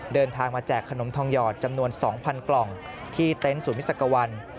เดินทางมาแจกขนมทองหยอดจำนวน๒๐๐กล่องที่เต็นต์ศูนย์มิสักวัน